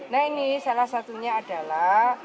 nah ini salah satunya adalah